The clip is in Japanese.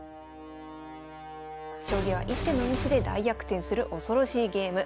将棋は一手のミスで大逆転する恐ろしいゲーム。